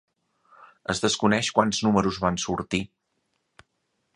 Es desconeix quants números van sortir.